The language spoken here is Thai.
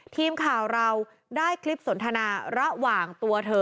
ทีมข่าวเราได้คลิปสนทนาระหว่างตัวเธอ